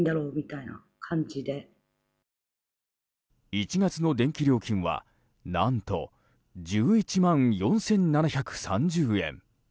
１月の電気料金は何と１１万４７３０円。